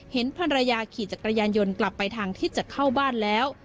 เห็นภรรยาขี่จักรยานยนต์กลับไปทางที่จะเข้าบ้านแล้ว